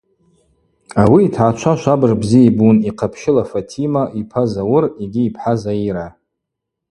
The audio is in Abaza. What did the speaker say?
Ауи йтгӏачва швабыж бзи йбун – йхъапщыла Фатима, йпа Зауыр йгьи йпхӏа Заира.